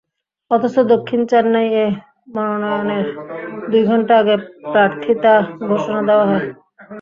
অথচ দক্ষিণ চেন্নাইয়ে মনোনয়নের দুই ঘণ্টা আগে প্রার্থিতা ঘোষণা দেওয়া হয়।